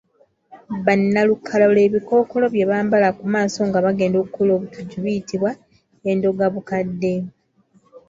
Ba nnalukalala ebikookolo bye bambala ku maaso nga bagenda okukola obutujju biyitibwa Endogabukadde.